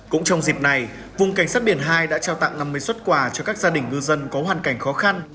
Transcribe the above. cũng trong dịp này vùng cảnh sát biển hai đã trao tặng năm mươi xuất quà cho các gia đình ngư dân có hoàn cảnh khó khăn